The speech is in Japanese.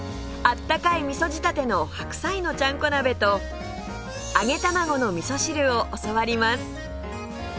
あったかい味噌仕立ての白菜のちゃんこ鍋と揚げ卵の味噌汁を教わります